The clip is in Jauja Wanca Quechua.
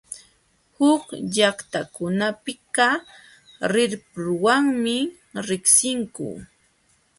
Huk llaqtakunapiqa rirpuwanmi riqsinku.